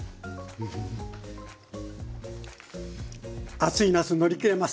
暑い夏乗り切れます。